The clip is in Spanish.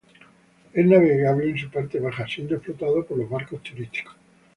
Es navegable en su parte baja, siendo explotado por los barcos turísticos.